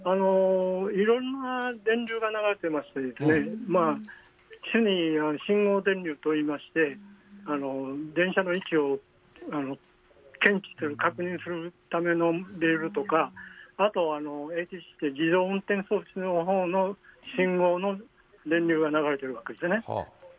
いろいろな電流が流れていまして、主に信号電流といいまして、電車の位置を検知する、確認するためのレールとか、あと自動運転装置のほうの信号の電流が流れているわけですね。